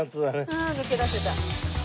ああ抜け出せた。